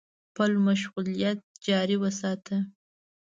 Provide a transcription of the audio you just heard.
خپل مشغولیت يې جاري وساته.